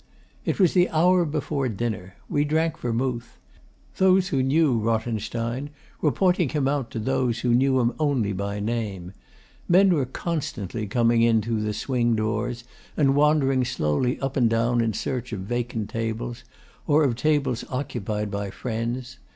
It was the hour before dinner. We drank vermouth. Those who knew Rothenstein were pointing him out to those who knew him only by name. Men were constantly coming in through the swing doors and wandering slowly up and down in search of vacant tables, or of tables occupied by friends.